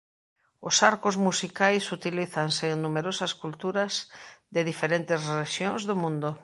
Os arcos musicais utilízanse en numerosas culturas de diferentes rexións do mundo.